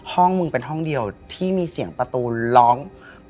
ห้องมึงเป็นห้องเดียวที่มีเสียงประตูร้อง